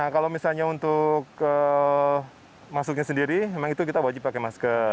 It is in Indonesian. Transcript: kalau misalnya untuk masuknya sendiri memang itu kita wajib pakai masker